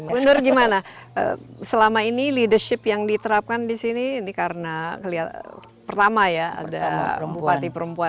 bu nur gimana selama ini leadership yang diterapkan di sini ini karena pertama ya ada bupati perempuan